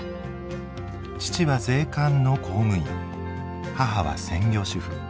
父は税関の公務員母は専業主婦。